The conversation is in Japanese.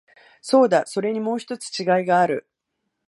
そうだ、それにもう一つ違いがある。